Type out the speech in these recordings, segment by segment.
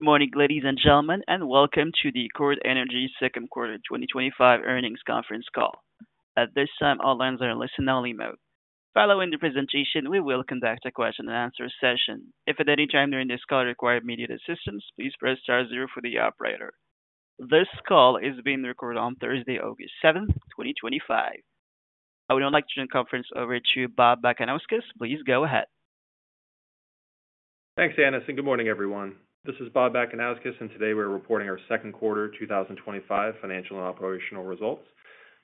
Good morning, ladies and gentlemen, and welcome to the Chord Energy Second Quarter 2025 Earnings Conference Call. At this time, all lines are in listen-only mode. Following the presentation, we will conduct a question-and-answer session. If at any time during this call you require immediate assistance, please press Star, zero for the operator. This call is being recorded on Thursday, August 7, 2025. I would now like to turn the conference over to Bob Bakanauskas. Please go ahead. Thanks, Anis, and good morning, everyone. This is Bob Bakanauskas, and today we're reporting our second quarter 2025 financial and operational results.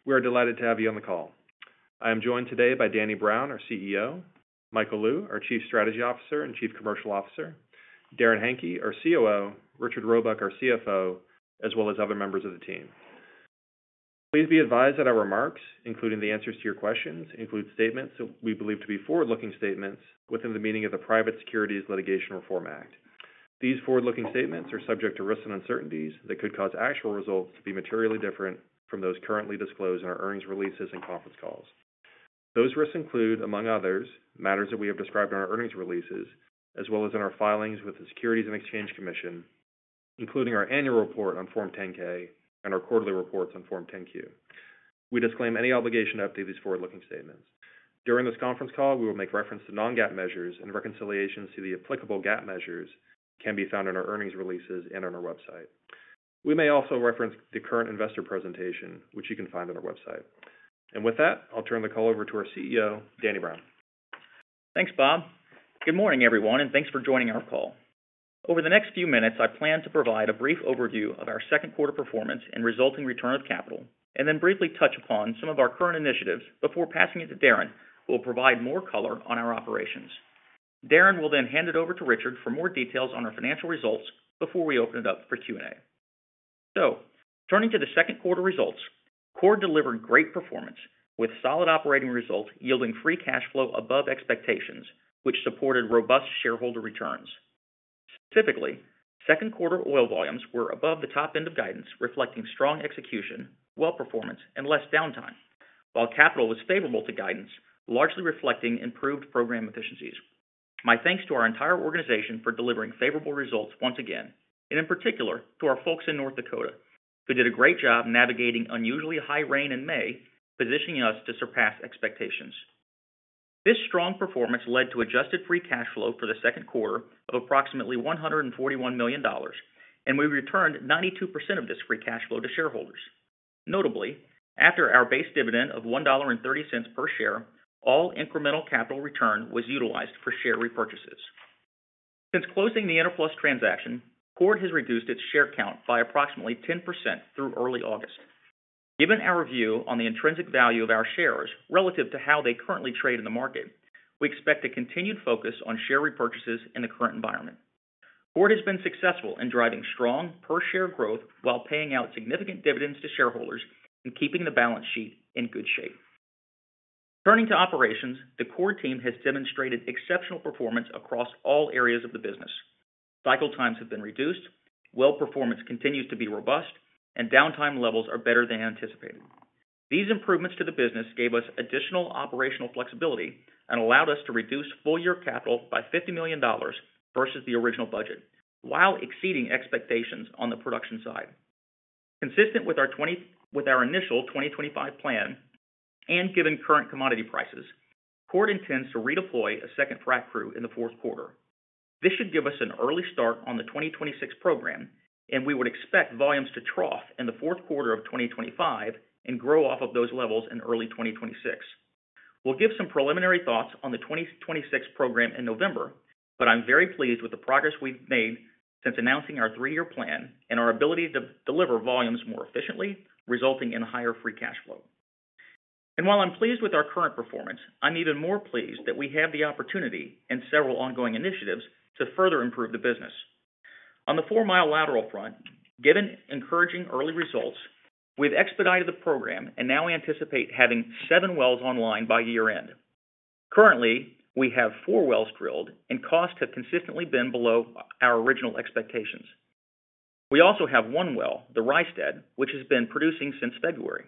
We are delighted to have you on the call. I am joined today by Daniel Brown, our CEO, Michael Lou, our Chief Strategy Officer and Chief Commercial Officer, Darrin Henke, our COO, Richard Robuck, our CFO, as well as other members of the team. Please be advised that our remarks, including the answers to your questions, include statements that we believe to be forward-looking statements within the meaning of the Private Securities Litigation Reform Act. These forward-looking statements are subject to risks and uncertainties that could cause actual results to be materially different from those currently disclosed in our earnings releases and conference calls. Those risks include, among others, matters that we have described in our earnings releases, as well as in our filings with the Securities and Exchange Commission, including our annual report on Form 10-K and our quarterly reports on Form 10-Q. We disclaim any obligation to update these forward-looking statements. During this conference call, we will make reference to non-GAAP measures and reconciliations to the applicable GAAP measures that can be found in our earnings releases and on our website. We may also reference the current investor presentation, which you can find on our website. With that, I'll turn the call over to our CEO, Daniel Brown. Thanks, Bob. Good morning, everyone, and thanks for joining our call. Over the next few minutes, I plan to provide a brief overview of our second quarter performance and resulting return of capital, and then briefly touch upon some of our current initiatives before passing it to Darrin, who will provide more color on our operations. Darrin will then hand it over to Richard for more details on our financial results before we open it up for Q&A. Turning to the second quarter results, Chord Energy delivered great performance with solid operating results yielding free cash flow above expectations, which supported robust shareholder returns. Specifically, second quarter oil volumes were above the top end of guidance, reflecting strong execution, well performance, and less downtime, while capital was favorable to guidance, largely reflecting improved program efficiencies. My thanks to our entire organization for delivering favorable results once again, and in particular to our folks in North Dakota, who did a great job navigating unusually high rain in May, positioning us to surpass expectations. This strong performance led to adjusted free cash flow for the second quarter of approximately $141 million, and we returned 92% of this free cash flow to shareholders. Notably, after our base dividend of $1.30 per share, all incremental capital return was utilized for share repurchases. Since closing the Enerplus transaction, Chord Energy has reduced its share count by approximately 10% through early August. Given our view on the intrinsic value of our shares relative to how they currently trade in the market, we expect a continued focus on share repurchases in the current environment. Chord Energy has been successful in driving strong per-share growth while paying out significant dividends to shareholders and keeping the balance sheet in good shape. Turning to operations, the Chord Energy team has demonstrated exceptional performance across all areas of the business. Cycle times have been reduced, well performance continues to be robust, and downtime levels are better than anticipated. These improvements to the business gave us additional operational flexibility and allowed us to reduce full-year capital by $50 million versus the original budget, while exceeding expectations on the production side. Consistent with our initial 2025 plan and given current commodity prices, Chord Energy intends to redeploy a second frac crew in the fourth quarter. This should give us an early start on the 2026 program, and we would expect volumes to trough in the fourth quarter of 2025 and grow off of those levels in early 2026. We'll give some preliminary thoughts on the 2026 program in November, but I'm very pleased with the progress we've made since announcing our three-year plan and our ability to deliver volumes more efficiently, resulting in higher free cash flow. While I'm pleased with our current performance, I'm even more pleased that we have the opportunity and several ongoing initiatives to further improve the business. On the 4 mi lateral front, given encouraging early results, we've expedited the program and now anticipate having seven wells online by year-end. Currently, we have four wells drilled, and costs have consistently been below our original expectations. We also have one well, the Rice Dead well, which has been producing since February.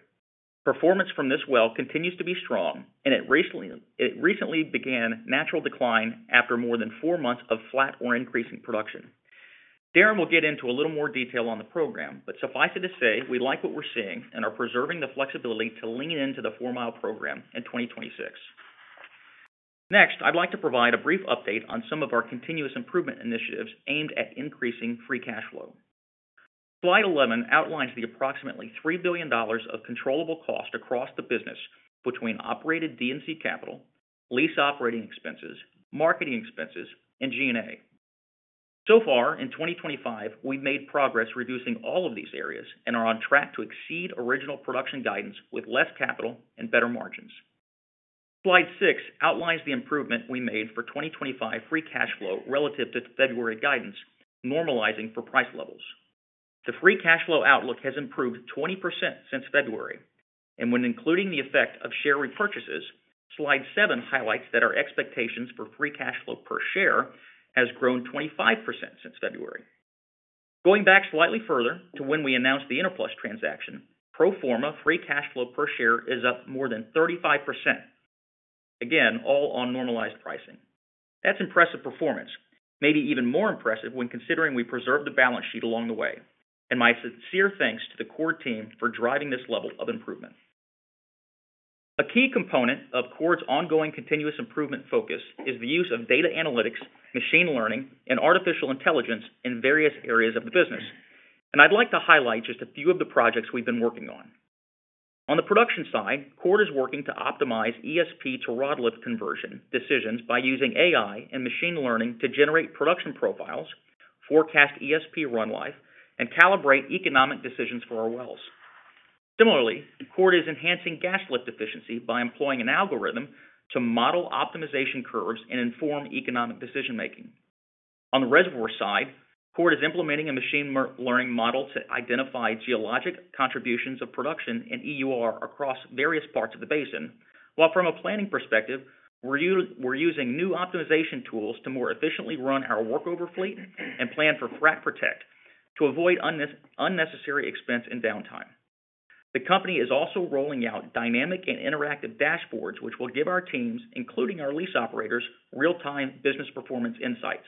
Performance from this well continues to be strong, and it recently began natural decline after more than four months of flat or increasing production. Darrin will get into a little more detail on the program, but suffice it to say, we like what we're seeing and are preserving the flexibility to lean into the mi program in 2026. Next, I'd like to provide a brief update on some of our continuous improvement initiatives aimed at increasing free cash flow. Slide 11 outlines the approximately $3 billion of controllable costs across the business between operated D&C capital, lease operating expenses, marketing expenses, and G&A. So far, in 2025, we've made progress reducing all of these areas and are on track to exceed original production guidance with less capital and better margins. Slide six outlines the improvement we made for 2025 free cash flow relative to February guidance, normalizing for price levels. The free cash flow outlook has improved 20% since February, and when including the effect of share repurchases, slide seven highlights that our expectations for free cash flow per share have grown 25% since February. Going back slightly further to when we announced the Enerplus transaction, pro forma free cash flow per share is up more than 35%. All on normalized pricing. That's impressive performance, maybe even more impressive when considering we preserved the balance sheet along the way. My sincere thanks to the Chord team for driving this level of improvement. A key component of Chord's ongoing continuous improvement focus is the use of data analytics, machine learning, and artificial intelligence in various areas of the business. I'd like to highlight just a few of the projects we've been working on. On the production side, Chord is working to optimize ESP to rod lift conversion decisions by using artificial intelligence and machine learning to generate production profiles, forecast ESP run life, and calibrate economic decisions for our wells. Similarly, Chord Energy is enhancing gas lift efficiency by employing an algorithm to model optimization curves and inform economic decision making. On the reservoir side, Chord Energy is implementing a machine learning model to identify geologic contributions of production and EUR across various parts of the basin. From a planning perspective, we're using new optimization tools to more efficiently run our workover fleet and plan for frac protect to avoid unnecessary expense and downtime. The company is also rolling out dynamic and interactive dashboards, which will give our teams, including our lease operators, real-time business performance insights.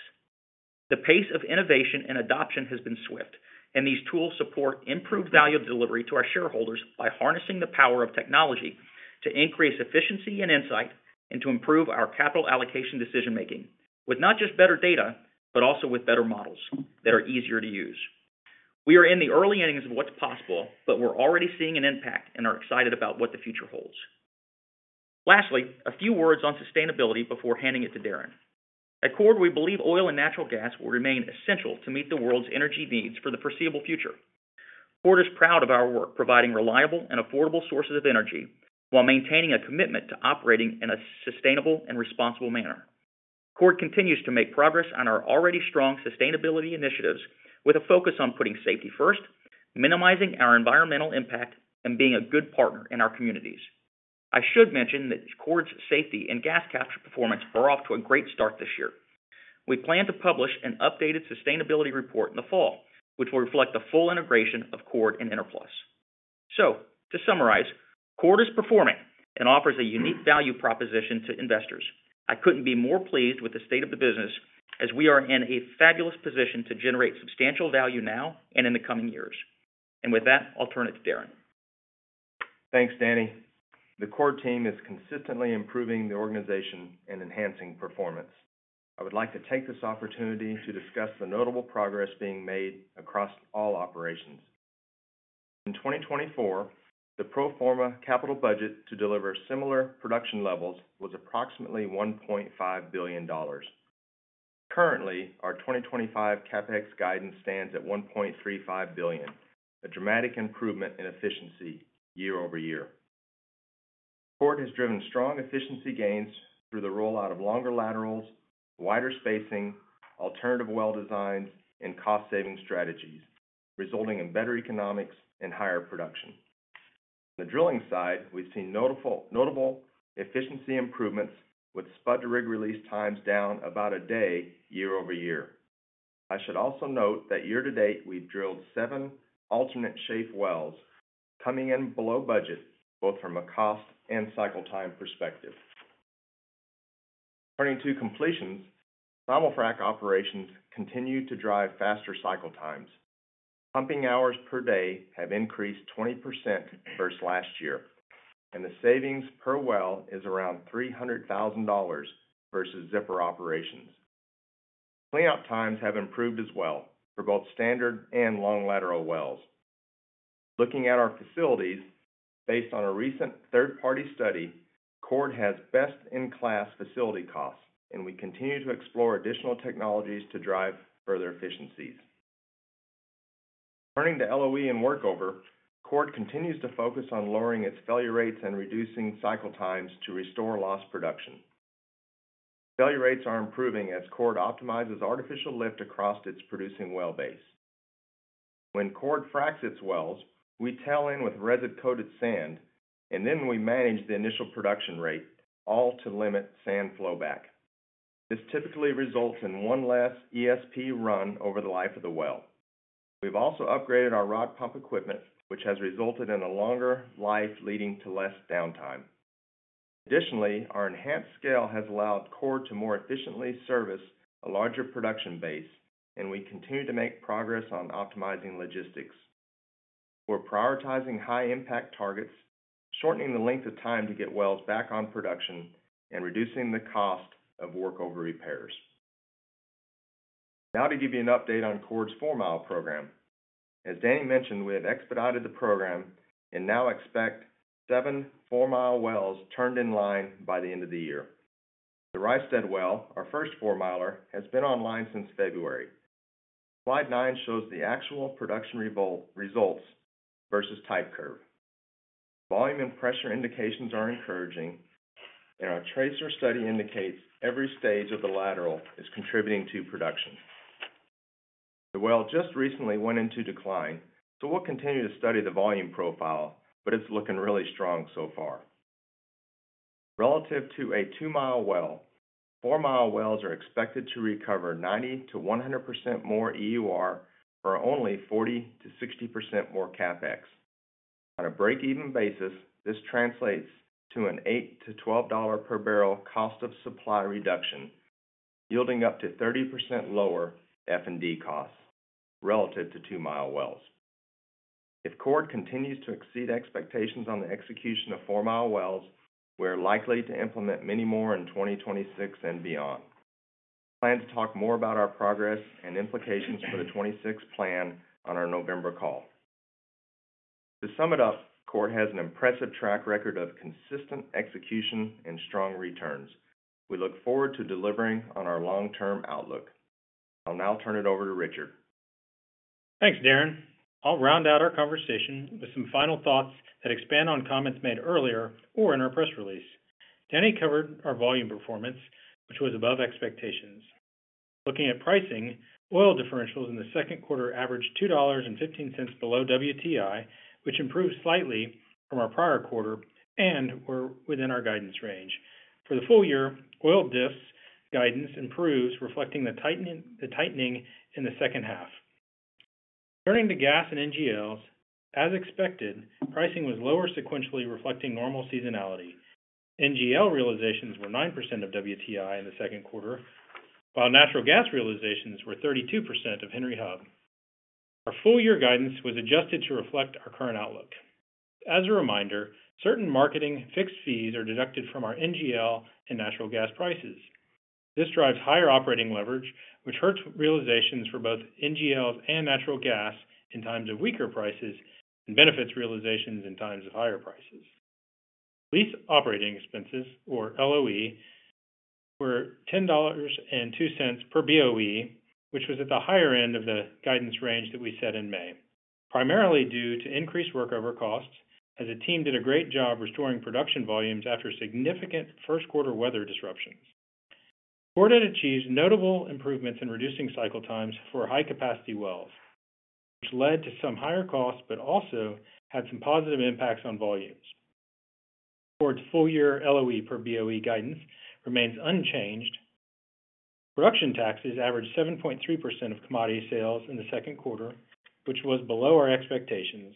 The pace of innovation and adoption has been swift, and these tools support improved value delivery to our shareholders by harnessing the power of technology to increase efficiency and insight and to improve our capital allocation decision making with not just better data, but also with better models that are easier to use. We are in the early innings of what's possible, but we're already seeing an impact and are excited about what the future holds. Lastly, a few words on sustainability before handing it to Darrin. At Chord Energy, we believe oil and natural gas will remain essential to meet the world's energy needs for the foreseeable future. Chord is proud of our work providing reliable and affordable sources of energy while maintaining a commitment to operating in a sustainable and responsible manner. Chord continues to make progress on our already strong sustainability initiatives with a focus on putting safety first, minimizing our environmental impact, and being a good partner in our communities. I should mention that Chord Energy's safety and gas capture performance are off to a great start this year. We plan to publish an updated sustainability report in the fall, which will reflect the full integration of Chord and Enerplus. To summarize, Chord is performing and offers a unique value proposition to investors. I couldn't be more pleased with the state of the business, as we are in a fabulous position to generate substantial value now and in the coming years. With that, I'll turn it to Darrin. Thanks, Danny. The Chord team is consistently improving the organization and enhancing performance. I would like to take this opportunity to discuss the notable progress being made across all operations. In 2024, the pro forma capital budget to deliver similar production levels was approximately $1.5 billion. Currently, our 2025 CapEx guidance stands at $1.35 billion, a dramatic improvement in efficiency year-over-year. Chord has driven strong efficiency gains through the rollout of longer laterals, wider spacing, alternative well designs, and cost-saving strategies, resulting in better economics and higher production. On the drilling side, we've seen notable efficiency improvements with spud to rig release times down about a day year-over-year. I should also note that year to date we've drilled seven alternate shape wells coming in below budget, both from a cost and cycle time perspective. Turning to completions, thermal frac operations continue to drive faster cycle times. Pumping hours per day have increased 20% versus last year, and the savings per well is around $300,000 versus zipper operations. Layout times have improved as well for both standard and long lateral wells. Looking at our facilities, based on a recent third-party study, Chord has best-in-class facility costs, and we continue to explore additional technologies to drive further efficiencies. Turning to LOE and workover, Chord continues to focus on lowering its failure rates and reducing cycle times to restore lost production. Failure rates are improving as Chord optimizes artificial lift across its producing well base. When Chord fracs its wells, we tail in with resin-coated sand, and then we manage the initial production rate, all to limit sand flowback. This typically results in one less ESP run over the life of the well. We've also upgraded our rod pump equipment, which has resulted in a longer life leading to less downtime. Additionally, our enhanced scale has allowed Chord to more efficiently service a larger production base, and we continue to make progress on optimizing logistics. We're prioritizing high-impact targets, shortening the length of time to get wells back on production, and reducing the cost of workover repairs. Now to give you an update on Chord's 4 mi program. As Danny mentioned, we have expedited the program and now expect seven 4 mi wells turned in line by the end of the year. The Rice Dead well, our first four-miler, has been online since February. Slide nine shows the actual production results versus type curve. Volume and pressure indications are encouraging, and our tracer study indicates every stage of the lateral is contributing to production. The well just recently went into decline, so we'll continue to study the volume profile, but it's looking really strong so far. Relative to a 2 mi well, 4 mi wells are expected to recover 90%-100% more EUR for only 40%-60% more CapEx. On a break-even basis, this translates to an $8-$12 per barrel cost of supply reduction, yielding up to 30% lower F&D costs relative to 2 mi wells. If Chord continues to exceed expectations on the execution of 4 mi wells, we're likely to implement many more in 2026 and beyond. Plan to talk more about our progress and implications for the 2026 plan on our November call. To sum it up, Chord has an impressive track record of consistent execution and strong returns. We look forward to delivering on our long-term outlook. I'll now turn it over to Richard. Thanks, Darrin. I'll round out our conversation with some final thoughts that expand on comments made earlier or in our press release. Danny covered our volume performance, which was above expectations. Looking at pricing, oil differentials in the second quarter averaged $2.15 below WTI, which improved slightly from our prior quarter and were within our guidance range. For the full year, oil diffs guidance improves, reflecting the tightening in the second half. Turning to gas and NGLs, as expected, pricing was lower sequentially, reflecting normal seasonality. NGL realizations were 9% of WTI in the second quarter, while natural gas realizations were 32% of Henry Hub. Our full-year guidance was adjusted to reflect our current outlook. As a reminder, certain marketing fixed fees are deducted from our NGL and natural gas prices. This drives higher operating leverage, which hurts realizations for both NGLs and natural gas in times of weaker prices and benefits realizations in times of higher prices. Lease operating expenses, or LOE, were $10.02 per BOE, which was at the higher end of the guidance range that we set in May, primarily due to increased workover costs, as the team did a great job restoring production volumes after significant first-quarter weather disruptions. Chord had achieved notable improvements in reducing cycle times for high-capacity wells, which led to some higher costs, but also had some positive impacts on volumes. Chord's full-year LOE per BOE guidance remains unchanged. Production taxes averaged 7.3% of commodity sales in the second quarter, which was below our expectations.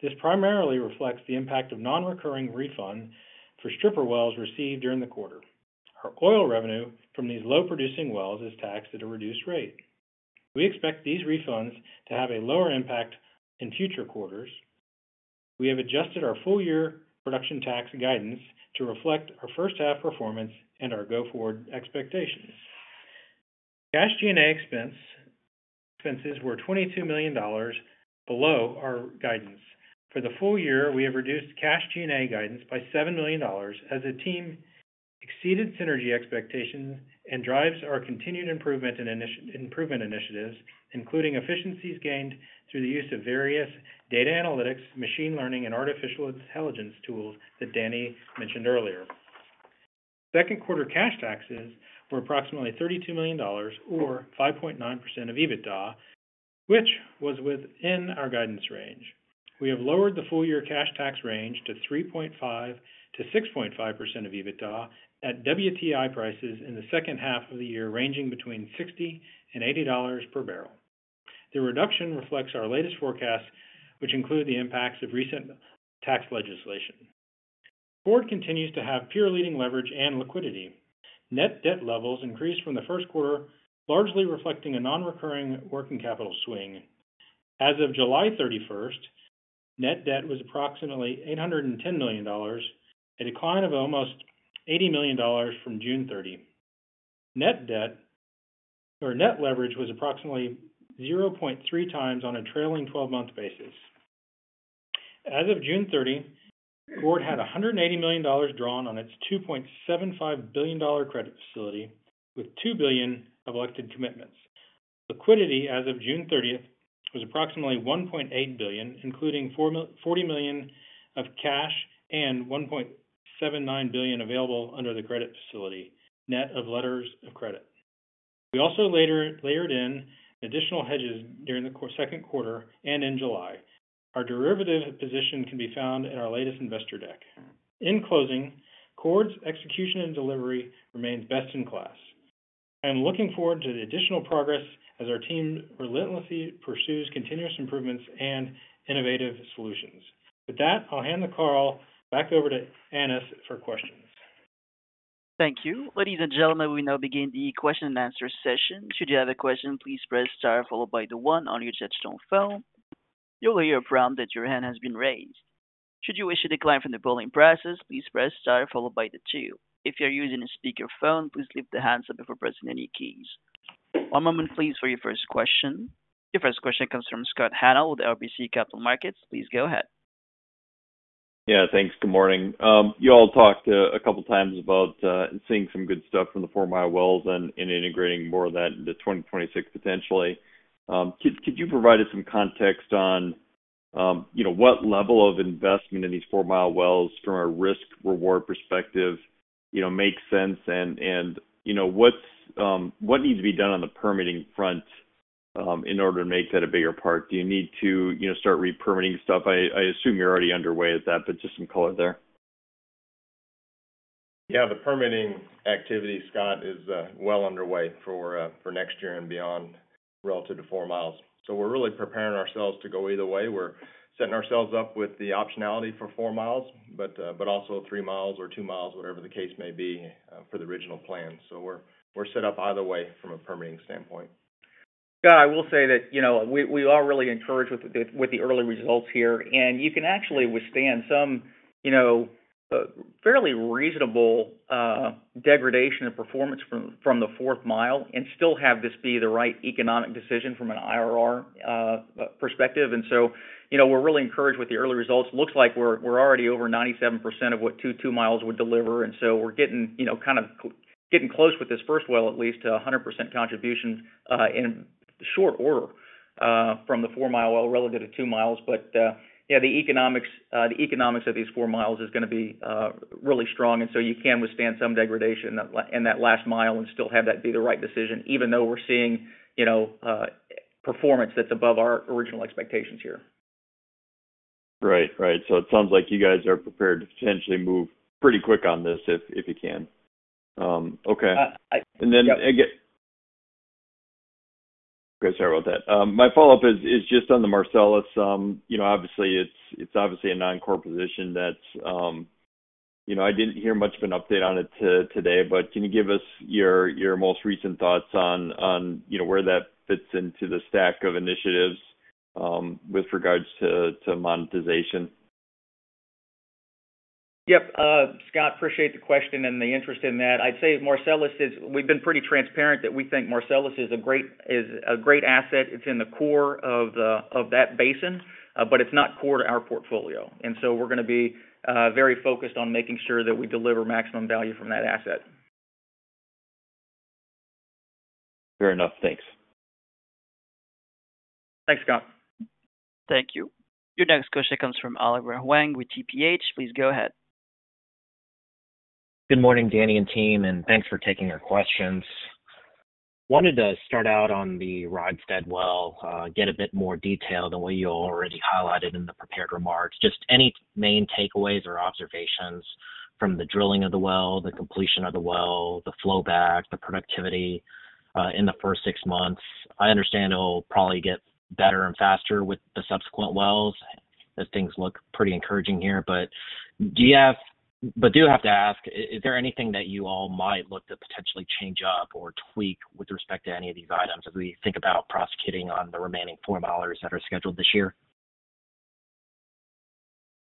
This primarily reflects the impact of non-recurring refund for stripper wells received during the quarter. Our oil revenue from these low-producing wells is taxed at a reduced rate. We expect these refunds to have a lower impact in future quarters. We have adjusted our full-year production tax guidance to reflect our first-half performance and our go-forward expectations. Cash G&A expenses were $22 million below our guidance. For the full year, we have reduced cash G&A guidance by $7 million, as the team exceeded synergy expectations and drives our continued improvement initiatives, including efficiencies gained through the use of various data analytics, machine learning, and artificial intelligence tools that Danny mentioned earlier. Second quarter cash taxes were approximately $32 million, or 5.9% of EBITDA, which was within our guidance range. We have lowered the full-year cash tax range to 3.5%-6.5% of EBITDA at WTI prices in the second half of the year, ranging between $60 and $80 per barrel. The reduction reflects our latest forecasts, which include the impacts of recent tax legislation. Chord continues to have peer leading leverage and liquidity. Net debt levels increased from the first quarter, largely reflecting a non-recurring working capital swing. As of July 31, net debt was approximately $810 million, a decline of almost $80 million from June 30. Net debt, or net leverage, was approximately 0.3x on a trailing 12-month basis. As of June 30, Chord had $180 million drawn on its $2.75 billion credit facility with $2 billion of elected commitments. Liquidity as of June 30 was approximately $1.8 billion, including $40 million of cash and $1.79 billion available under the credit facility, net of letters of credit. We also layered in additional hedges during the second quarter and in July. Our derivative position can be found in our latest investor deck. In closing, Chord's execution and delivery remain best in class. I'm looking forward to the additional progress as our team relentlessly pursues continuous improvements and innovative solutions. With that, I'll hand the call back over to Anis for questions. Thank you. Ladies and gentlemen, we now begin the question-and-answer session. Should you have a question, please press Star, followed by the one on your touch-tone phone. You'll hear a prompt that your hand has been raised. Should you wish to decline from the polling process, please press Star, followed by the two. If you're using a speaker phone, please lift the handset before pressing any keys. One moment, please, for your first question. Your first question comes from Scott Hanold with RBC Capital Markets. Please go ahead. Yeah, thanks. Good morning. You all talked a couple of times about seeing some good stuff from the 4 mi wells and integrating more of that into 2026, potentially. Could you provide us some context on what level of investment in these 4 mi wells from a risk-reward perspective makes sense and what needs to be done on the permitting front in order to make that a bigger part? Do you need to start re-permitting stuff? I assume you're already underway at that, but just some color there. Yeah, the permitting activity, Scott, is well underway for next year and beyond relative to 4 mi. We're really preparing ourselves to go either way. We're setting ourselves up with the optionality for 4 mi, but also 3 mi or 2 mi, whatever the case may be for the original plans. We're set up either way from a permitting standpoint. Yeah, I will say that we are really encouraged with the early results here, and you can actually withstand some fairly reasonable degradation of performance from the fourth mile and still have this be the right economic decision from an IRR perspective. We are really encouraged with the early results. It looks like we're already over 97% of what two 2 mi would deliver, and we're kind of getting close with this first well, at least to 100% contributions in short order from the 4 mi well relative to 2 mi. The economics of these 4 mi is going to be really strong, and you can withstand some degradation in that last mile and still have that be the right decision, even though we're seeing performance that's above our original expectations here. Right. It sounds like you guys are prepared to potentially move pretty quick on this if you can. My follow-up is just on the Marcellus. Obviously, it's a non-core position. I didn't hear much of an update on it today, but can you give us your most recent thoughts on where that fits into the stack of initiatives with regards to monetization? Yep. Scott, appreciate the question and the interest in that. I'd say Marcellus is, we've been pretty transparent that we think Marcellus is a great asset. It's in the core of that basin, but it's not core to our portfolio. We are going to be very focused on making sure that we deliver maximum value from that asset. Fair enough. Thanks. Thanks, Scott. Thank you. Your next question comes from Oliver Huang with TPH. Please go ahead. Good morning, Danny and team, and thanks for taking your questions. I wanted to start out on the Rice Dead well, get a bit more detail than what you already highlighted in the prepared remarks. Just any main takeaways or observations from the drilling of the well, the completion of the well, the flowback, the productivity in the first six months. I understand it'll probably get better and faster with the subsequent wells as things look pretty encouraging here. Do you have, do have to ask, is there anything that you all might look to potentially change up or tweak with respect to any of these items as we think about prosecuting on the remaining four milers that are scheduled this year?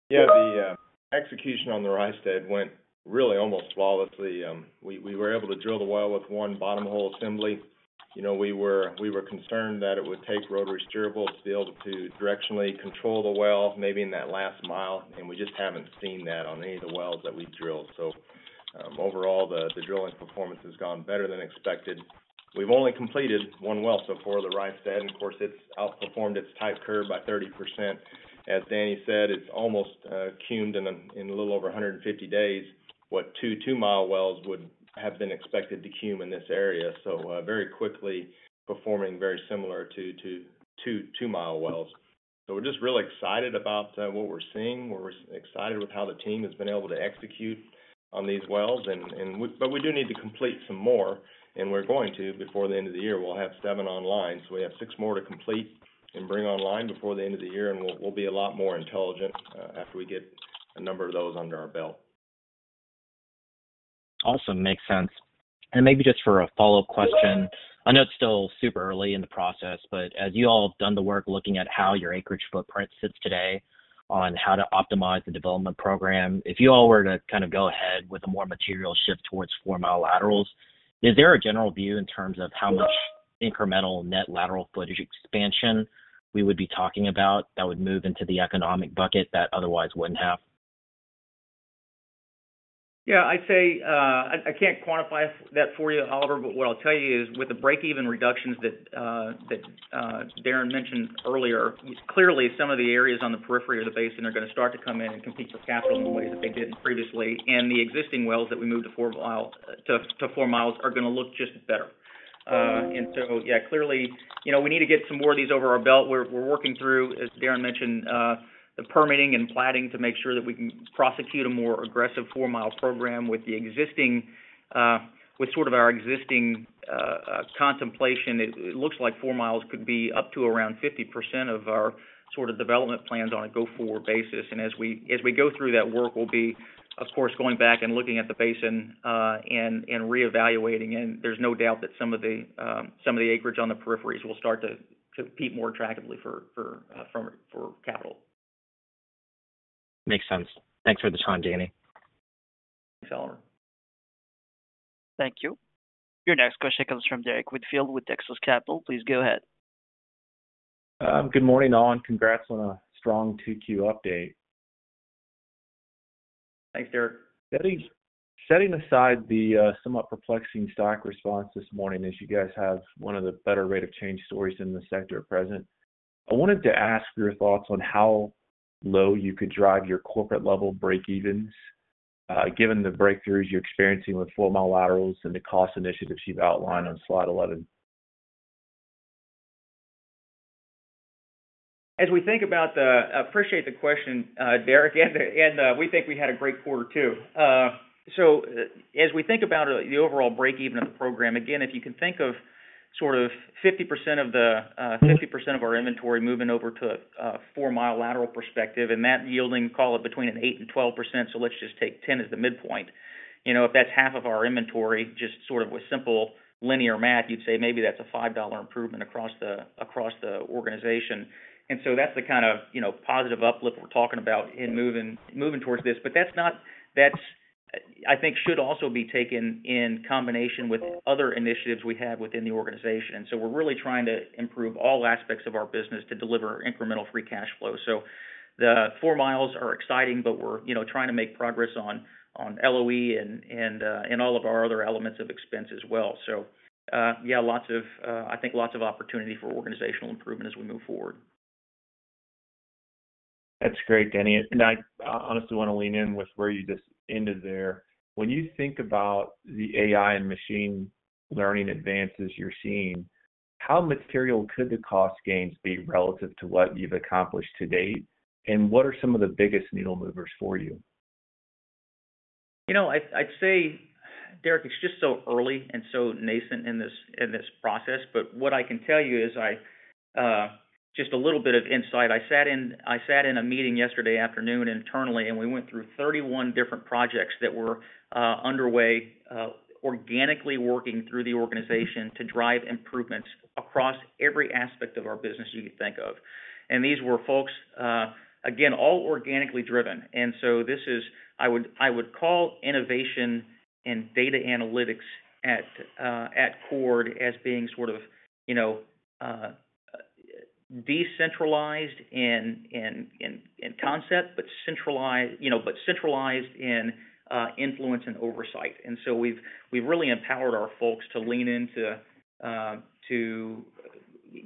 Yeah, the execution on the Rice Dead went really almost flawlessly. We were able to drill the well with one bottom hole assembly. You know, we were concerned that it would take rotary steerable to be able to directionally control the well maybe in that last mile, and we just haven't seen that on any of the wells that we've drilled. Overall, the drilling performance has gone better than expected. We've only completed one well so far, the Rice Dead. Of course, it's outperformed its type curve by 30%. As Danny said, it's almost cumed in a little over 150 days what two 2 mi wells would have been expected to cum in this area, very quickly performing very similar to two 2 mi wells. We're just really excited about what we're seeing. We're excited with how the team has been able to execute on these wells. We do need to complete some more, and we're going to before the end of the year. We'll have seven online. We have six more to complete and bring online before the end of the year, and we'll be a lot more intelligent after we get a number of those under our belt. Awesome. Makes sense. Maybe just for a follow-up question, I know it's still super early in the process, but as you all have done the work looking at how your acreage footprint sits today on how to optimize the development program, if you all were to kind of go ahead with a more material shift towards 4 mi laterals, is there a general view in terms of how much incremental net lateral footage expansion we would be talking about that would move into the economic bucket that otherwise wouldn't have? Yeah, I'd say I can't quantify that for you, Oliver, but what I'll tell you is with the break-even reductions that Darrin mentioned earlier, clearly some of the areas on the periphery of the basin are going to start to come in and compete for capital in ways that they didn't previously. The existing wells that we moved to 4 mi are going to look just better. Clearly, you know, we need to get some more of these over our belt. We're working through, as Darrin mentioned, the permitting and platting to make sure that we can prosecute a more aggressive 4 mi program with sort of our existing contemplation. It looks like 4 mi could be up to around 50% of our sort of development plans on a go-forward basis. As we go through that work, we'll be, of course, going back and looking at the basin and reevaluating. There's no doubt that some of the acreage on the peripheries will start to compete more attractively for capital. Makes sense. Thanks for the time, Daniel. Thanks, Oliver. Thank you. Your next question comes from Derrick Whitfield with Texas Capital. Please go ahead. Good morning all, and congrats on a strong Q2 update. Thanks, Derek. Setting aside the somewhat perplexing stock response this morning, as you guys have one of the better rate of change stories in the sector at present, I wanted to ask your thoughts on how low you could drive your corporate level break-even, given the breakthroughs you're experiencing with 4 mi laterals and the cost initiatives you've outlined on slide 11. As we think about the, appreciate the question, Derek, and we think we had a great quarter too. As we think about the overall break-even of the program, again, if you can think of sort of 50% of our inventory moving over to a 4 mi lateral perspective, and that yielding, call it between an 8% and 12%, let's just take 10% as the midpoint. If that's half of our inventory, just sort of with simple linear math, you'd say maybe that's a $5 improvement across the organization. That's the kind of positive uplift we're talking about in moving towards this. I think that should also be taken in combination with other initiatives we have within the organization. We're really trying to improve all aspects of our business to deliver incremental free cash flow. The 4 mi are exciting, but we're trying to make progress on lease operating expenses and all of our other elements of expense as well. There are lots of opportunities for organizational improvement as we move forward. That's great, Danny. I honestly want to lean in with where you just ended there. When you think about the artificial intelligence and machine learning advances you're seeing, how material could the cost gains be relative to what you've accomplished to date? What are some of the biggest needle movers for you? I'd say, Derrick, it's just so early and so nascent in this process. What I can tell you is just a little bit of insight. I sat in a meeting yesterday afternoon internally, and we went through 31 different projects that were underway, organically working through the organization to drive improvements across every aspect of our business you could think of. These were folks, again, all organically driven. I would call innovation and data analytics at Chord as being sort of decentralized in concept, but centralized in influence and oversight. We've really empowered our folks to lean into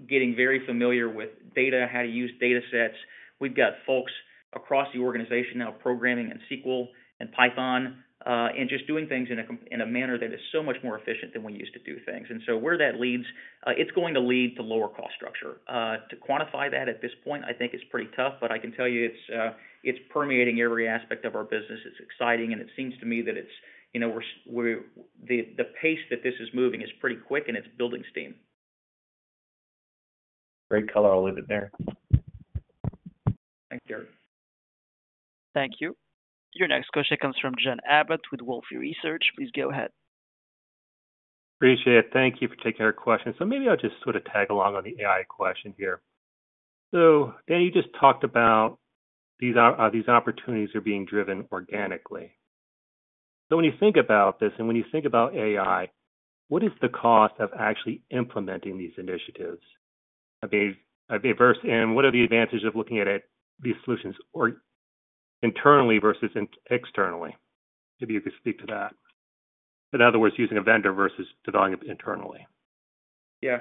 getting very familiar with data, how to use data sets. We've got folks across the organization now programming in SQL and Python and just doing things in a manner that is so much more efficient than we used to do things. Where that leads, it's going to lead to lower cost structure. To quantify that at this point, I think it's pretty tough, but I can tell you it's permeating every aspect of our business. It's exciting, and it seems to me that the pace that this is moving is pretty quick and it's building steam. Great color. I'll leave it there. Thanks, Derek. Thank you. Your next question comes from John Abbott with Wolfe Research. Please go ahead. Appreciate it. Thank you for taking our questions. Maybe I'll just sort of tag along on the AI question here. Danny, you just talked about these opportunities are being driven organically. When you think about this, and when you think about artificial intelligence, what is the cost of actually implementing these initiatives? I mean, versus, what are the advantages of looking at these solutions internally versus externally? Maybe you could speak to that. In other words, using a vendor versus developing it internally. Yeah.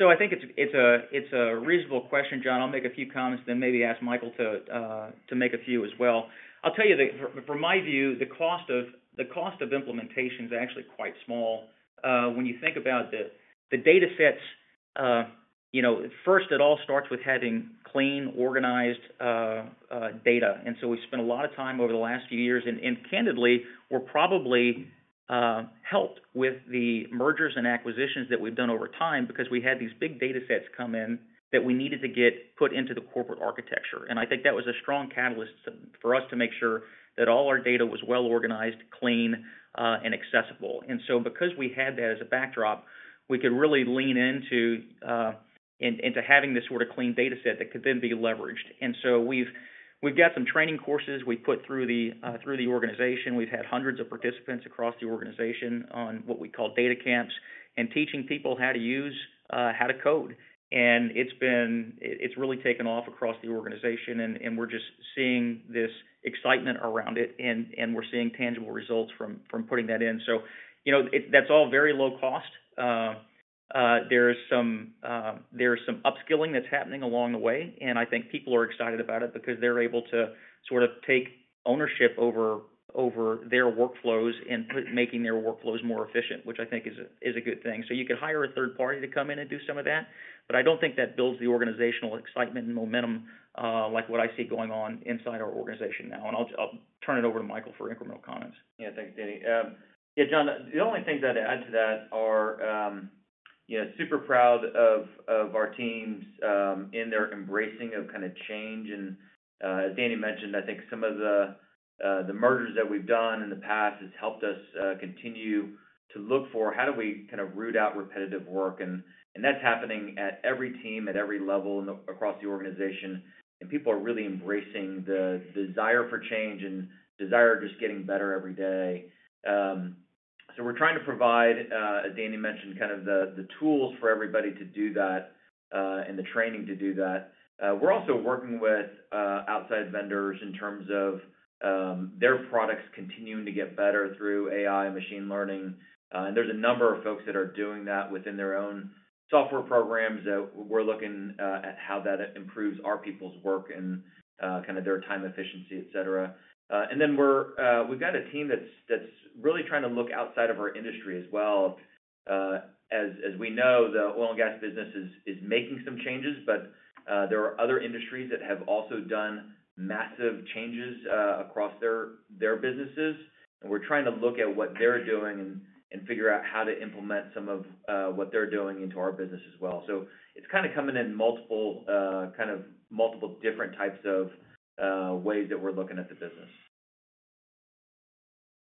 I think it's a reasonable question, John. I'll make a few comments, then maybe ask Michael to make a few as well. I'll tell you that from my view, the cost of implementation is actually quite small. When you think about the data sets, first it all starts with having clean, organized data. We spent a lot of time over the last few years, and candidly, we're probably helped with the mergers and acquisitions that we've done over time because we had these big data sets come in that we needed to get put into the corporate architecture. I think that was a strong catalyst for us to make sure that all our data was well organized, clean, and accessible. Because we had that as a backdrop, we could really lean into having this sort of clean data set that could then be leveraged. We've got some training courses we've put through the organization. We've had hundreds of participants across the organization on what we call data camps and teaching people how to use, how to code. It's really taken off across the organization, and we're just seeing this excitement around it, and we're seeing tangible results from putting that in. That's all very low cost. There's some upskilling that's happening along the way, and I think people are excited about it because they're able to sort of take ownership over their workflows and put making their workflows more efficient, which I think is a good thing. You could hire a third party to come in and do some of that, but I don't think that builds the organizational excitement and momentum like what I see going on inside our organization now. I'll turn it over to Michael for incremental comments. Yeah, thanks, Danny. Yeah, John, the only things I'd add to that are, you know, super proud of our teams in their embracing of kind of change. Danny mentioned, I think some of the mergers that we've done in the past have helped us continue to look for how do we kind of root out repetitive work. That's happening at every team, at every level across the organization. People are really embracing the desire for change and desire of just getting better every day. We're trying to provide, as Danny mentioned, kind of the tools for everybody to do that and the training to do that. We're also working with outside vendors in terms of their products continuing to get better through artificial intelligence and machine learning. There's a number of folks that are doing that within their own software programs. We're looking at how that improves our people's work and kind of their time efficiency, etc. We've got a team that's really trying to look outside of our industry as well. As we know, the oil and gas business is making some changes, but there are other industries that have also done massive changes across their businesses. We're trying to look at what they're doing and figure out how to implement some of what they're doing into our business as well. It's kind of coming in multiple, kind of multiple different types of ways that we're looking at the business.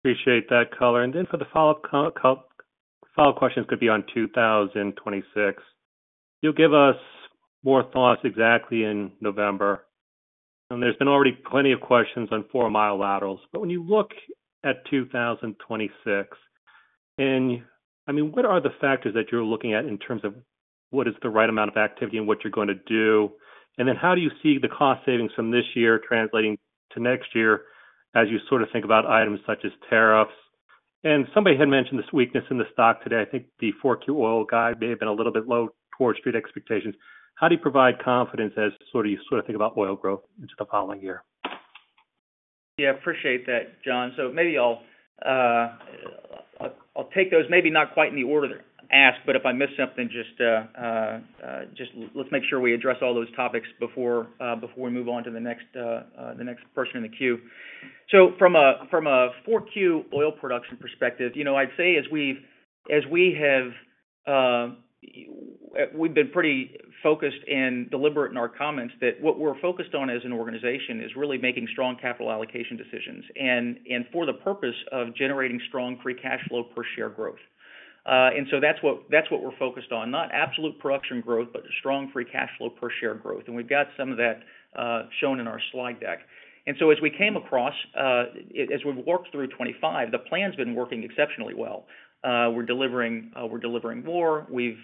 Appreciate that color. For the follow-up questions, it could be on 2026. You'll give us more thoughts exactly in November. There have been already plenty of questions on 4 mi laterals. When you look at 2026, what are the factors that you're looking at in terms of what is the right amount of activity and what you're going to do? How do you see the cost savings from this year translating to next year as you sort of think about items such as tariffs? Somebody had mentioned this weakness in the stock today. I think the 4Q oil guide may have been a little bit low towards trade expectations. How do you provide confidence as you sort of think about oil growth into the following year? Yeah, I appreciate that, John. Maybe I'll take those, maybe not quite in the order you asked, but if I missed something, just let's make sure we address all those topics before we move on to the next person in the queue. From a 4Q oil production perspective, I'd say as we've been pretty focused and deliberate in our comments that what we're focused on as an organization is really making strong capital allocation decisions for the purpose of generating strong free cash flow per share growth. That's what we're focused on, not absolute production growth, but strong free cash flow per share growth. We've got some of that shown in our slide deck. As we came across, as we've worked through 2025, the plan's been working exceptionally well. We're delivering more. We've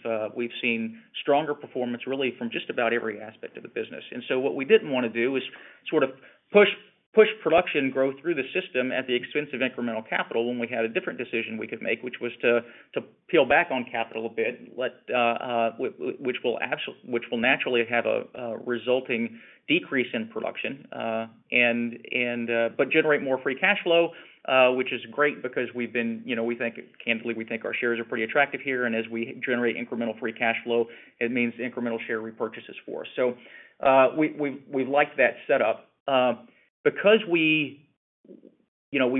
seen stronger performance really from just about every aspect of the business. What we didn't want to do is push production growth through the system at the expense of incremental capital when we had a different decision we could make, which was to peel back on capital a bit, which will naturally have a resulting decrease in production, but generate more free cash flow, which is great because we think candidly, we think our shares are pretty attractive here. As we generate incremental free cash flow, it means incremental share repurchases for us. We've liked that setup because we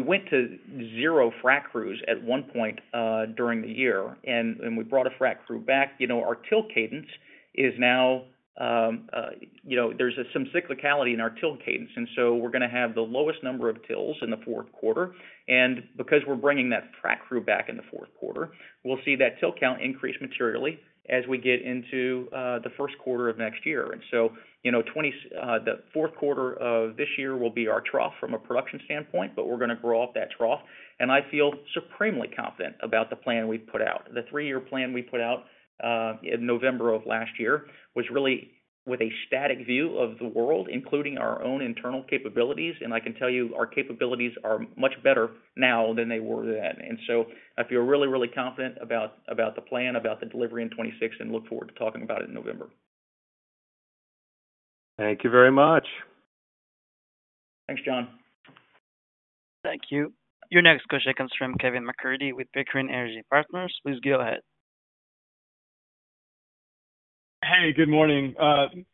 went to zero frac crews at one point during the year, and we brought a frac crew back. Our till cadence is now, there's some cyclicality in our till cadence. We're going to have the lowest number of tills in the fourth quarter. Because we're bringing that frac crew back in the fourth quarter, we'll see that till count increase materially as we get into the first quarter of next year. The fourth quarter of this year will be our trough from a production standpoint, but we're going to grow up that trough. I feel supremely confident about the plan we put out. The three-year plan we put out in November of last year was really with a static view of the world, including our own internal capabilities. I can tell you our capabilities are much better now than they were then. I feel really, really confident about the plan, about the delivery in 2026, and look forward to talking about it in November. Thank you very much. Thanks, John. Thank you. Your next question comes from Kevin McCurdy with Pickering Energy Partners. Please go ahead. Hey, good morning.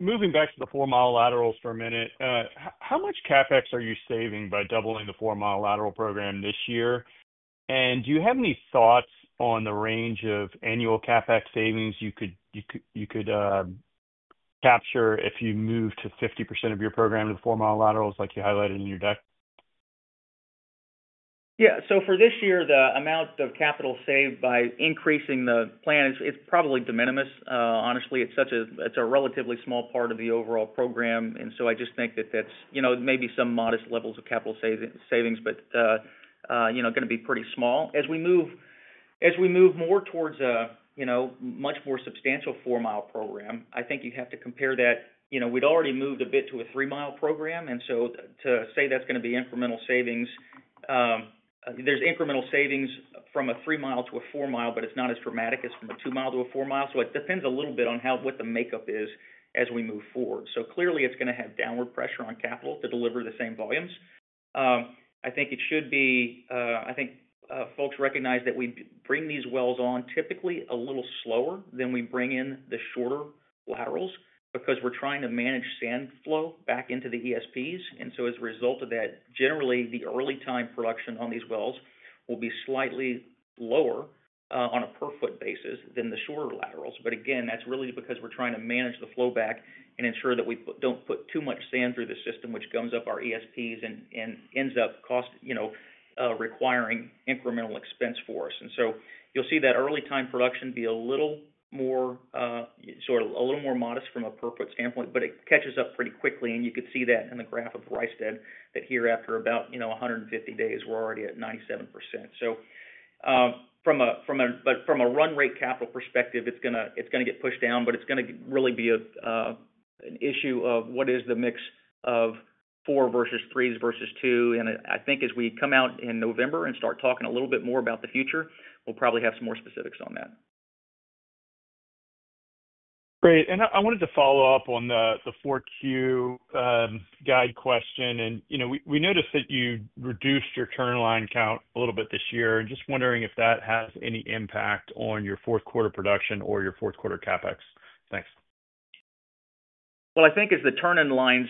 Moving back to the 4 mi laterals for a minute, how much CapEx are you saving by doubling the 4 mi lateral program this year? Do you have any thoughts on the range of annual CapEx savings you could capture if you move to 50% of your program to the 4 mi laterals like you highlighted in your deck? Yeah, for this year, the amount of capital saved by increasing the plan is probably de minimis. Honestly, it's such a relatively small part of the overall program. I just think that that's maybe some modest levels of capital savings, but it's going to be pretty small. As we move more towards a much more substantial 4 mi program, you'd have to compare that. We'd already moved a bit to a 3 mi program, and to say that's going to be incremental savings, there's incremental savings from a 3 mi-4 mi, but it's not as dramatic as from a 2 mi-4 mi. It depends a little bit on what the makeup is as we move forward. Clearly, it's going to have downward pressure on capital to deliver the same volumes. I think it should be, I think folks recognize that we bring these wells on typically a little slower than we bring in the shorter laterals because we're trying to manage sand flow back into the ESPs. As a result of that, generally, the early-time production on these wells will be slightly lower on a per-foot basis than the shorter laterals. Again, that's really because we're trying to manage the flowback and ensure that we don't put too much sand through the system, which gums up our ESPs and ends up requiring incremental expense for us. You'll see that early-time production be a little more modest from a per-foot standpoint, but it catches up pretty quickly. You could see that in the graph of the Rice Dead well that here after about 150 days, we're already at 97%. From a run rate capital perspective, it's going to get pushed down, but it's really going to be an issue of what is the mix of four versus threes versus two. I think as we come out in November and start talking a little bit more about the future, we'll probably have some more specifics on that. Great. I wanted to follow up on the 4Q guide question. You know, we noticed that you reduced your turn-in line count a little bit this year. I'm just wondering if that has any impact on your fourth quarter production or your fourth quarter CapEx. Thanks. As the turn-in lines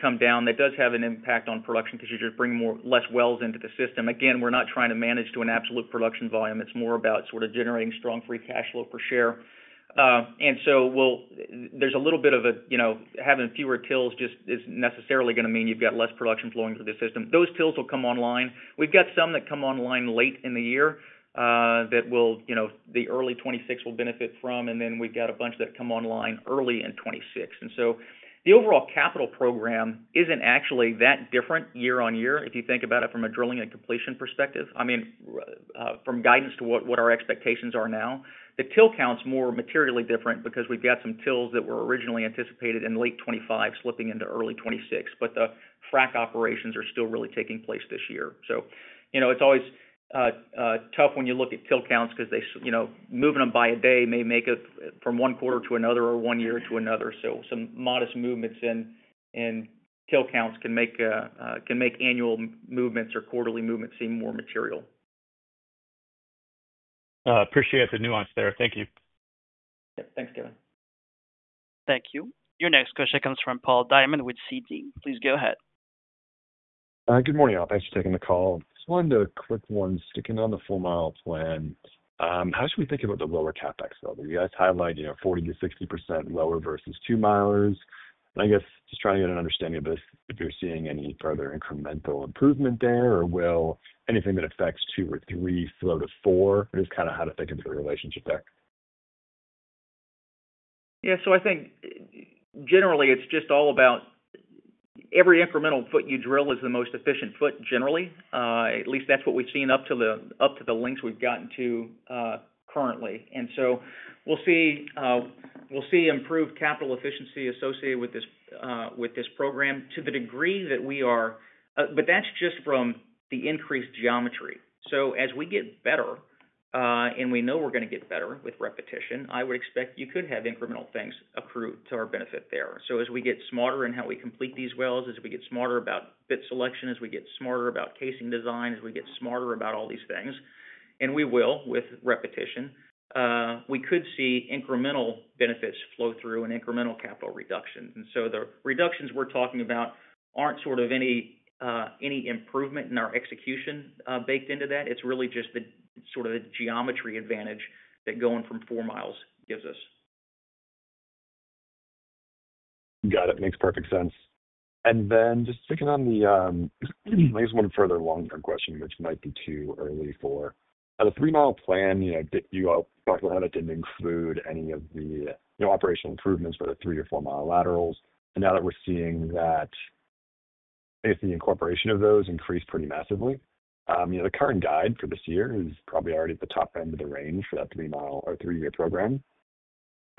come down, that does have an impact on production because you just bring less wells into the system. We're not trying to manage to an absolute production volume. It's more about sort of generating strong free cash flow per share. There's a little bit of a, you know, having fewer tills just isn't necessarily going to mean you've got less production flowing through the system. Those tills will come online. We've got some that come online late in the year that the early 2026 will benefit from. We've got a bunch that come online early in 2026. The overall capital program isn't actually that different year-on-year if you think about it from a drilling and completion perspective. From guidance to what our expectations are now, the till count's more materially different because we've got some tills that were originally anticipated in late 2025 slipping into early 2026. The frac operations are still really taking place this year. It's always tough when you look at till counts because moving them by a day may make it from one quarter to another or one year to another. Some modest movements in till counts can make annual movements or quarterly movements seem more material. I appreciate the nuance there. Thank you. Thanks, Kevin. Thank you. Your next question comes from Paul Diamond with Citi. Please go ahead. Good morning all. Thanks for taking the call. I just wanted to click on sticking on the 4 mi plan. How should we think about the lower CapEx level? You guys highlight, you know, 40%-60% lower versus two milers. I guess just trying to get an understanding of this, if you're seeing any further incremental improvement there or will anything that affects two or three flow to four, just kind of how to think of the relationship there. Yeah, I think generally it's just all about every incremental foot you drill is the most efficient foot generally. At least that's what we've seen up to the lengths we've gotten to currently. We'll see improved capital efficiency associated with this program to the degree that we are, but that's just from the increased geometry. As we get better, and we know we're going to get better with repetition, I would expect you could have incremental things accrue to our benefit there. As we get smarter in how we complete these wells, as we get smarter about bit selection, as we get smarter about casing design, as we get smarter about all these things, and we will with repetition, we could see incremental benefits flow through and incremental capital reductions. The reductions we're talking about aren't sort of any improvement in our execution baked into that. It's really just the geometry advantage that going from 4 mi gives us. Got it. Makes perfect sense. Just sticking on the, I guess one further longer question, which might be too early for the 3 mi plan. You all talked about how that didn't include any of the operational improvements for the three or 4 mi laterals. Now that we're seeing that, I guess, the incorporation of those increased pretty massively. The current guide for this year is probably already at the top end of the range for that 3 mi or three-year program.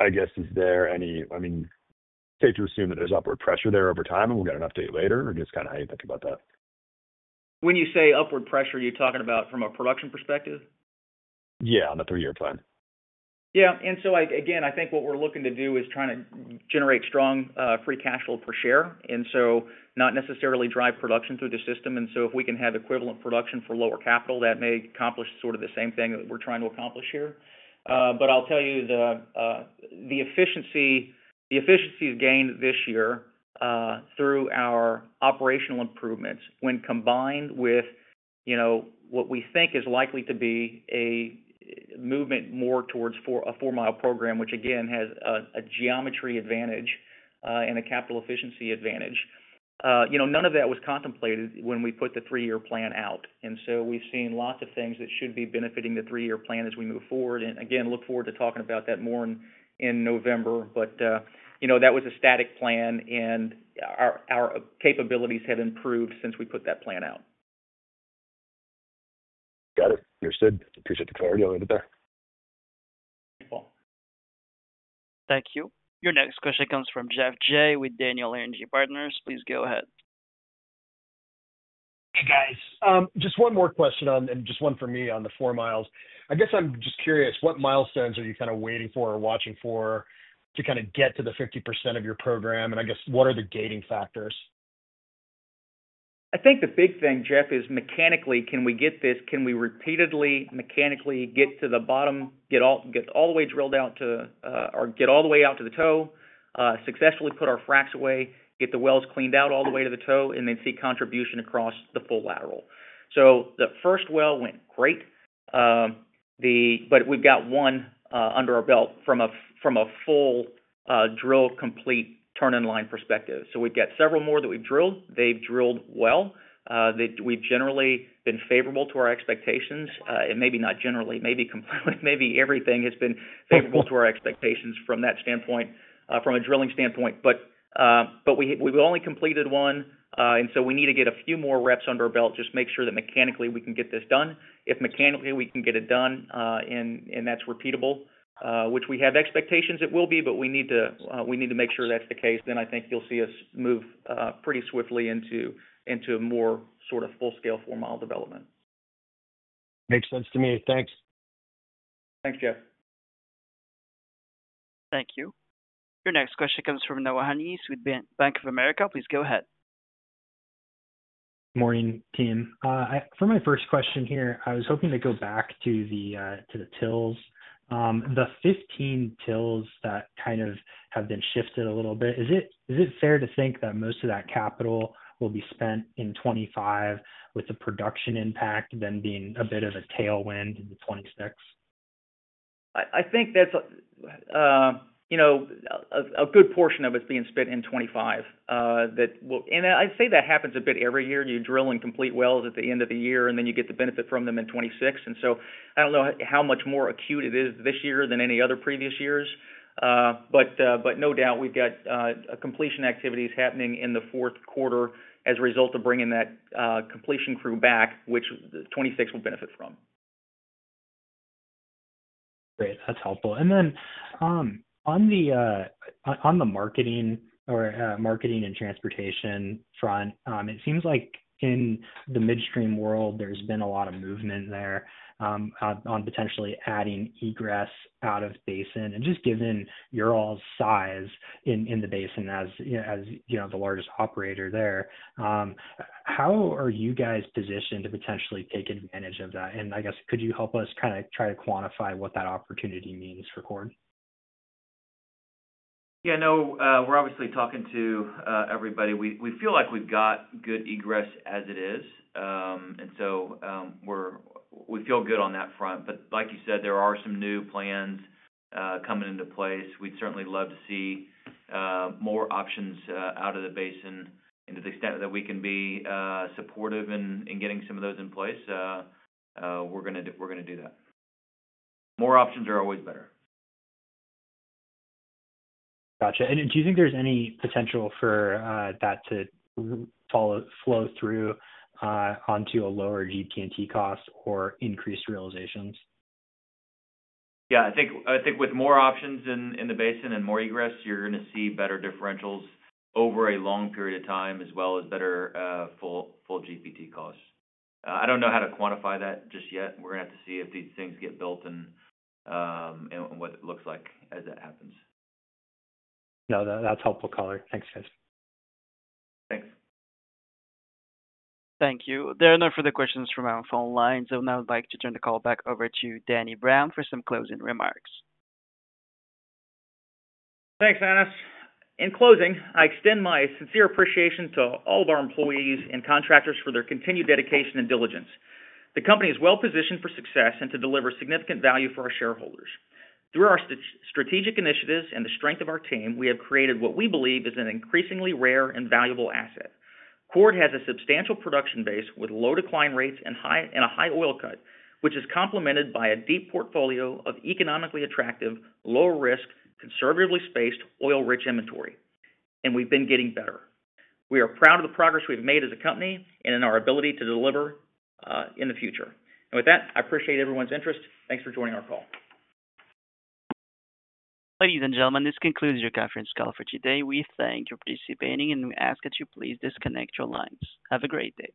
Is there any, I mean, safe to assume that there's upward pressure there over time, and we'll get an update later, or just kind of how you think about that? When you say upward pressure, you're talking about from a production perspective? Yeah, on the three-year plan. Yeah. I think what we're looking to do is trying to generate strong free cash flow per share, and not necessarily drive production through the system. If we can have equivalent production for lower capital, that may accomplish sort of the same thing that we're trying to accomplish here. I'll tell you the efficiencies gained this year through our operational improvements, when combined with what we think is likely to be a movement more towards a 4 mi program, which has a geometry advantage and a capital efficiency advantage. None of that was contemplated when we put the three-year plan out. We've seen lots of things that should be benefiting the three-year plan as we move forward. I look forward to talking about that more in November. That was a static plan, and our capabilities have improved since we put that plan out. Got it. Understood. Appreciate the clarity on it. Cool. Thank you. Your next question comes from Geoff Jay with Daniel Energy Partners. Please go ahead. Hey guys, just one more question on, just one for me on the 4 mi. I'm just curious, what milestones are you kind of waiting for or watching for to get to the 50% of your program? What are the gating factors? I think the big thing, Geoff, is mechanically, can we get this? Can we repeatedly mechanically get to the bottom, get all the way drilled out to, or get all the way out to the toe, successfully put our fracs away, get the wells cleaned out all the way to the toe, and then see contribution across the full lateral? The first well went great. We've got one under our belt from a full drill complete turn-in-line perspective. We've got several more that we've drilled. They've drilled well. We've generally been favorable to our expectations, and maybe not generally, maybe completely, maybe everything has been favorable to our expectations from that standpoint, from a drilling standpoint. We've only completed one, and we need to get a few more reps under our belt, just make sure that mechanically we can get this done. If mechanically we can get it done, and that's repeatable, which we have expectations it will be, we need to make sure that's the case. I think you'll see us move pretty swiftly into a more sort of full-scale 4 mi development. Makes sense to me. Thanks. Thanks, Geoff. Thank you. Your next question comes from Noah Hungness with Bank of America. Please go ahead. Morning, team. For my first question here, I was hoping to go back to the tills. The 15 tills that kind of have been shifted a little bit, is it fair to think that most of that capital will be spent in 2025 with the production impact then being a bit of a tailwind in 2026? I think that's a good portion of it's being spent in 2025. I'd say that happens a bit every year. You drill and complete wells at the end of the year, and then you get the benefit from them in 2026. I don't know how much more acute it is this year than any other previous years. No doubt we've got completion activities happening in the fourth quarter as a result of bringing that completion crew back, which the 2026 will benefit from. Great. That's helpful. On the marketing and transportation front, it seems like in the midstream world, there's been a lot of movement there on potentially adding egress out of the basin. Given your all's size in the basin as the largest operator there, how are you guys positioned to potentially take advantage of that? Could you help us kind of try to quantify what that opportunity means for Chord? Yeah, I know we're obviously talking to everybody. We feel like we've got good egress as it is, and we feel good on that front. Like you said, there are some new plans coming into place. We'd certainly love to see more options out of the basin. To the extent that we can be supportive in getting some of those in place, we're going to do that. More options are always better. Gotcha. Do you think there's any potential for that to flow through onto a lower GP&T cost or increased realizations? Yeah, I think with more options in the basin and more egress, you're going to see better differentials over a long period of time, as well as better full GP&T costs. I don't know how to quantify that just yet. We're going to have to see if these things get built and what it looks like as that happens. No, that's helpful, Connor. Thanks, guys. Thanks. Thank you. There are no further questions from our phone line. I would like to turn the call back over to Daniel Brown for some closing remarks. Thanks, Anis. In closing, I extend my sincere appreciation to all of our employees and contractors for their continued dedication and diligence. The company is well positioned for success and to deliver significant value for our shareholders. Through our strategic initiatives and the strength of our team, we have created what we believe is an increasingly rare and valuable asset. Chord has a substantial production base with low decline rates and a high oil cut, which is complemented by a deep portfolio of economically attractive, low-risk, conservatively spaced oil-rich inventory. We have been getting better. We are proud of the progress we've made as a company and in our ability to deliver in the future. I appreciate everyone's interest. Thanks for joining our call. Ladies and gentlemen, this concludes your conference call for today. We thank you for participating, and we ask that you please disconnect your lines. Have a great day.